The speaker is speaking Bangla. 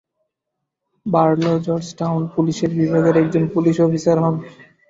বারলো জর্জটাউন পুলিশ বিভাগের একজন পুলিশ অফিসার হন।